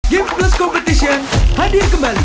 game news competition hadir kembali